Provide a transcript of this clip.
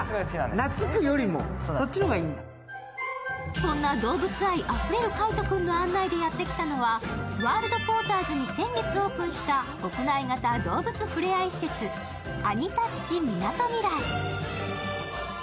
そんな動物愛あふれる海音君の案内でやってきたのは、ワールドポーターズに先月オープンした屋内型動物ふれあい施設、アニタッチみなとみらい。